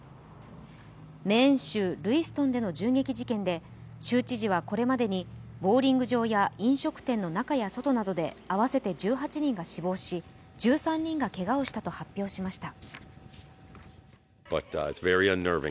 メーン州ルイストンでの銃撃事件で州知事はこれまでにボウリング場や飲食店の中や外などで合わせて１８人が死亡し、１３人がけがをしたと発表しました。